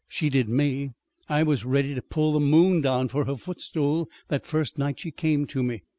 She did me. I was ready to pull the moon down for her footstool that first night she came to me.